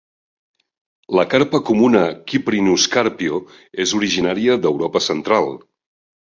La carpa comuna, "Cyprinus carpio", és originària d'Europa Central.